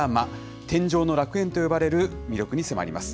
天上の楽園と呼ばれる魅力に迫ります。